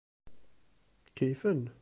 Keyyfen.